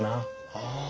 ああ。